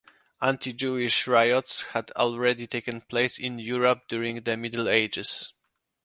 Anti-Jewish riots had already taken place in Europe during the Middle Ages.